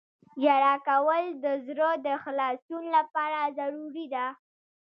• ژړا کول د زړه د خلاصون لپاره ضروري ده.